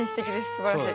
すばらしい。